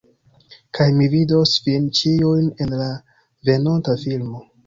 Kaj mi vidos vin ĉiujn, en la venonta filmo